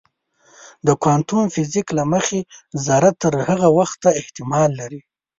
د کوانتم فزیک له مخې ذره تر هغه وخته احتمال لري.